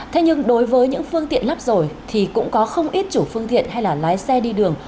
thế nhưng đối với những phương tiện lắp rồi thì cũng có không ít chủ phương tiện hay là lái xe đi đường